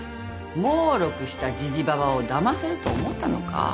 もうろくしたジジババをだませると思ったのか？